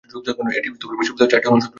এই বিশ্ববিদ্যালয়ে চারটি অনুষদ রয়েছে।